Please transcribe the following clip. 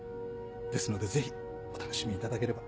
ですのでぜひお楽しみいただければ。